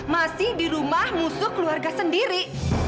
masih di rumah musuh keluarga sendiri